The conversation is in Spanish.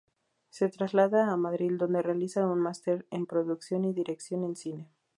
Se traslada a Madrid, donde realiza un máster en Producción y Dirección de Cine.